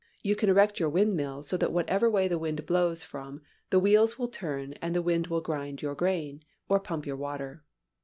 You can erect your windmill so that whichever way the wind blows from the wheels will turn and the wind will grind your grain, or pump your water.